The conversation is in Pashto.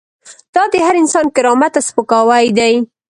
دا د هر انسان کرامت ته سپکاوی دی.